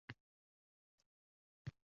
o'zini to'g'rilikka yo'llaydigan